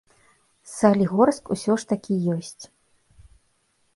Салігорску ўсё ж такі ёсць.